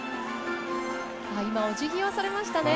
今、おじぎをされましたね。